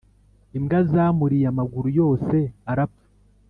Imbwazamuriye amaguru yose arapfa